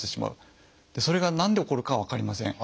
それが何で起こるかは分かりません。